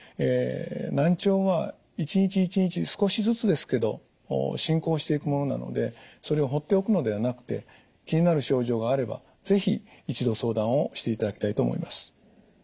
難聴は一日一日少しずつですけど進行していくものなのでそれを放っておくのではなくて気になる症状があれば是非一度相談をしていただきたいと思います。